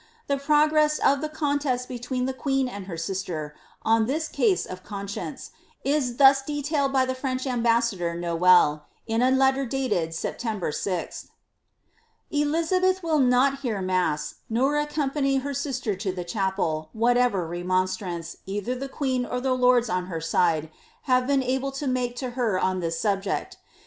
* The progress of the con test between the queen and her sister, on this case of conscience, is thus detailed by the French ambassador, Noailles, in a letter dated Sep tember 6th :^ Elizabeth will not hear mass, nor accompany her sister to the cha pel, whatever remonstrance, either the queen or the lords on her side, have been able to make to her on this subject.